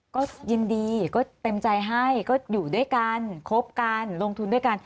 ก็ยินดีก็เต็มใจให้ก็อยู่ด้วยกันคบกันลงทุนด้วยกัน